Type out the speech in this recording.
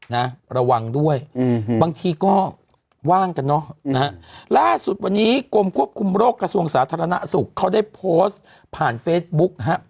นะระวังด้วยอืมบางทีก็ว่างกันเนอะนะฮะล่าสุดวันนี้กรมควบคุมโรคกระทรวงสาธารณสุขเขาได้โพสต์ผ่านเฟซบุ๊กฮะ